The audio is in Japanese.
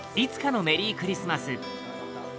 ’ｚ「いつかのメリークリスマス」